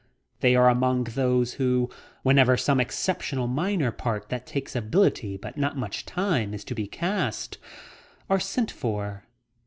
They are among those who, whenever some exceptional minor part that takes ability but not much time is to be "cast," are sent for.